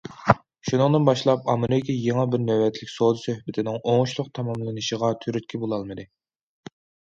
شۇنىڭدىن باشلاپ ئامېرىكا يېڭى بىر نۆۋەتلىك سودا سۆھبىتىنىڭ ئوڭۇشلۇق تاماملىنىشىغا تۈرتكە بولالمىدى.